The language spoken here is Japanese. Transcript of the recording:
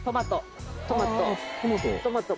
トマト。